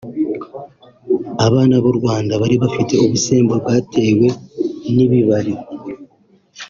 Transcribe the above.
abana b’u Rwanda bari bafite ubusembwa batewe n’ibibari